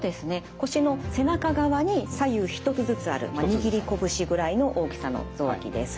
腰の背中側に左右１つずつある握り拳ぐらいの大きさの臓器です。